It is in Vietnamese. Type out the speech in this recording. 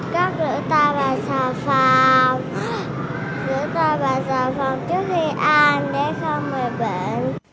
các đứa ta bài sáng